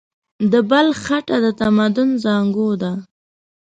د بلخ خټه د تمدن زانګو ده.